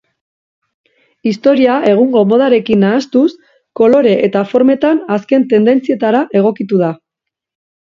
Historia egungo modarekin nahastuz, kolore eta formetan azken tendentzietara egokitu da.